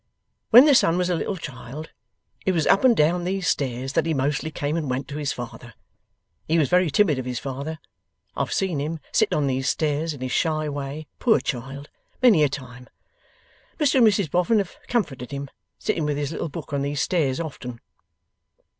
When the son was a little child, it was up and down these stairs that he mostly came and went to his father. He was very timid of his father. I've seen him sit on these stairs, in his shy way, poor child, many a time. Mr and Mrs Boffin have comforted him, sitting with his little book on these stairs, often.